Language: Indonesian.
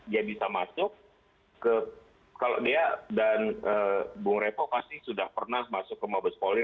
dia bisa masuk ke kalau dia dan bung repo pasti sudah pernah masuk ke mabes polri